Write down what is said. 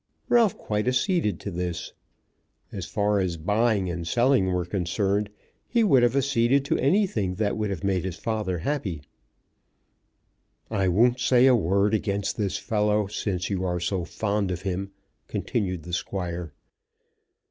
Ralph quite acceded to this. As far as buying and selling were concerned he would have acceded to anything that would have made his father happy. "I won't say a word against this fellow, since you are so fond of him," continued the Squire.